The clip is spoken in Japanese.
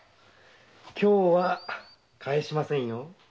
今日は帰しませんよ。